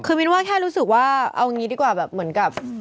คือมินว่าแค่รู้สึกว่าเอางี้ดีกว่าแบบเหมือนกับ